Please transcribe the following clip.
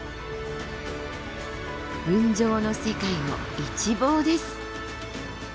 雲上の世界を一望です。